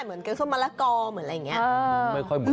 เหมือนแกงส้มมะละกอมหรืออะไรอย่างนี้